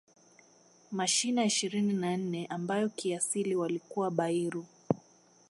Mashina ishirini na nne ambayo kiasili walikuwa Bairu